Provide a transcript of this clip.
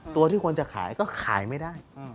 ตัวที่ควรจะขายก็ขายไม่ได้